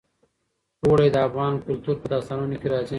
اوړي د افغان کلتور په داستانونو کې راځي.